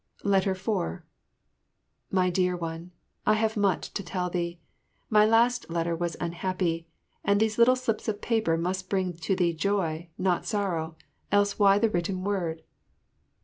4 My Dear One, I have much to tell thee. My last letter was unhappy, and these little slips of paper must bring to thee joy, not sorrow, else why the written word?